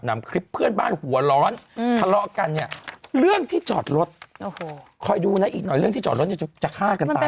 นำคลิปเพื่อนบ้านหัวร้อนทะเลาะกันเนี่ยเรื่องที่จอดรถโอ้โหคอยดูนะอีกหน่อยเรื่องที่จอดรถเนี่ยจะฆ่ากันตาย